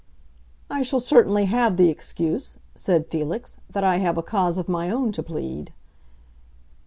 "I shall certainly have the excuse," said Felix, "that I have a cause of my own to plead."